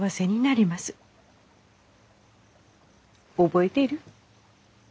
覚えている？